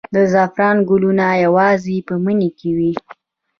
د زعفرانو ګلونه یوازې په مني کې وي؟